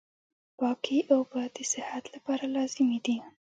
پاکي اوبه د صحت لپاره لازمي دي.